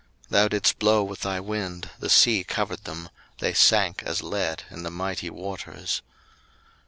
02:015:010 Thou didst blow with thy wind, the sea covered them: they sank as lead in the mighty waters.